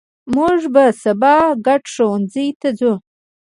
مونږ به سبا ګډ ښوونځي ته ځو